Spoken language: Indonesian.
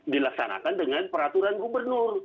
dilaksanakan dengan peraturan gubernur